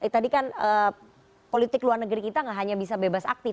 tadi kan politik luar negeri kita nggak hanya bisa bebas aktif